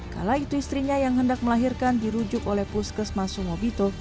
kala itu istrinya yang hendak melahirkan dirujuk oleh puskesmas sumobito